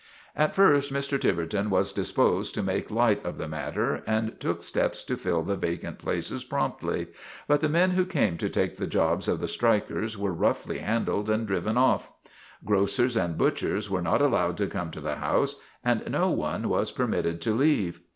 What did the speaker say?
At first Mr. Tiverton was disposed to make light of the matter and took steps to fill the vacant places promptly, but the men who came to take the jobs of the strikers were roughly handled and driven off. Grocers and butchers were not allowed to come to the house and no one was permitted to leave.